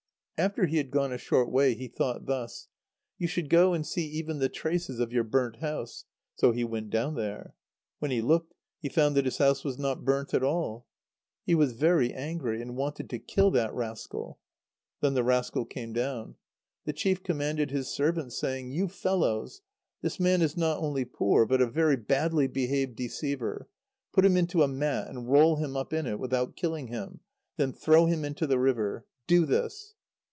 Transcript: After he had gone a short way, he thought thus: "You should go and see even the traces of your burnt house." So he went down there. When he looked, he found that his house was not burnt at all. He was very angry, and wanted to kill that rascal. Then the rascal came down. The chief commanded his servants, saying: "You fellows! this man is not only poor, but a very badly behaved deceiver. Put him into a mat, and roll him up in it without killing him. Then throw him into the river. Do this!"